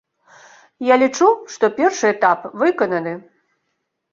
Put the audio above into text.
Я лічу, што першы этап выкананы.